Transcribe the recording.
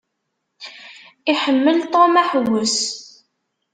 Iḥemmel Tom aḥewwes.